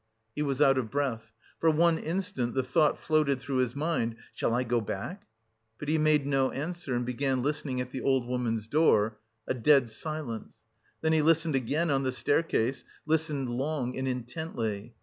He was out of breath. For one instant the thought floated through his mind "Shall I go back?" But he made no answer and began listening at the old woman's door, a dead silence. Then he listened again on the staircase, listened long and intently...